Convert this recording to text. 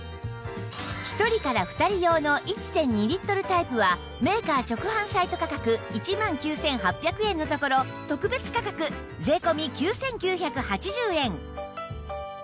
１人から２人用の １．２ リットルタイプはメーカー直販サイト価格１万９８００円のところ特別価格税込９９８０円